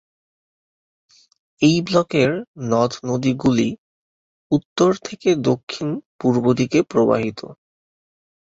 এই ব্লকের নদ-নদীগুলি উত্তর থেকে দক্ষিণ-পূর্ব দিকে প্রবাহিত।